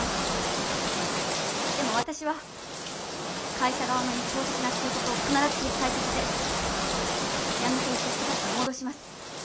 でも私は会社側の一方的な通告を必ず撤回させてやめていった人たちを戻します。